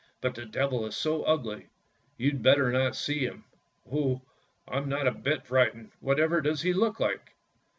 But the Devil is so ugly, you'd better not see him." "Oh! I'm not a bit frightened. Whatever does he look like?